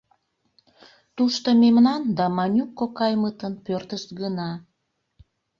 Тушто мемнан да Манюк кокаймытын пӧртышт гына.